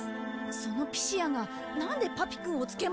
そのピシアがなんでパピくんをつけ回すの？